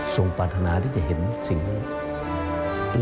ปรารถนาที่จะเห็นสิ่งนี้